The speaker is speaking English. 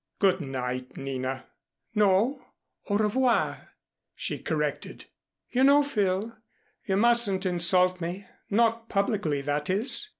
"Good night, Nina." "No, au revoir," she corrected. "You know, Phil, you mustn't insult me not publicly, that is.